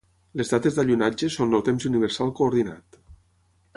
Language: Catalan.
Les dates d'allunatge són el temps universal coordinat.